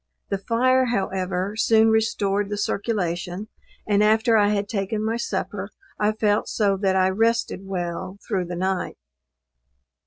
The fire, however, soon restored the circulation, and after I had taken my supper I felt so that I rested well through the night.